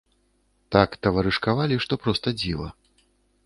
Так таварышкавалі, што проста дзіва.